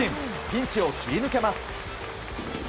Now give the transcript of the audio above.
ピンチを切り抜けます。